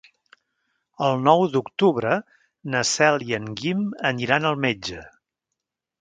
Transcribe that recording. El nou d'octubre na Cel i en Guim aniran al metge.